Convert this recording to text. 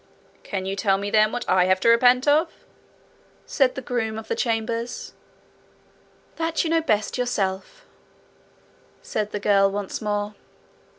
'Can you tell me, then, what I have to repent of?' said the groom of the chambers. 'That you know best yourself,' said the girl once more.